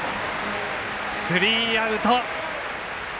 スリーアウト。